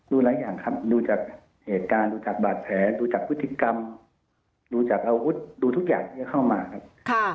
หลายอย่างครับดูจากเหตุการณ์ดูจากบาดแผลดูจากพฤติกรรมดูจากอาวุธดูทุกอย่างที่จะเข้ามาครับ